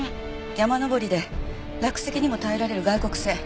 山登りで落石にも耐えられる外国製。